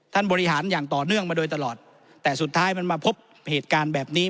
บริหารอย่างต่อเนื่องมาโดยตลอดแต่สุดท้ายมันมาพบเหตุการณ์แบบนี้